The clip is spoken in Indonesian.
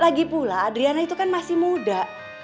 lagi pula adriana itu kan masih muda